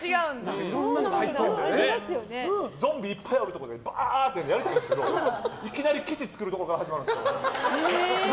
ゾンビいっぱいあるところにバンバンってやりたいんですけどいきなり基地を作るところから始まるんですよ。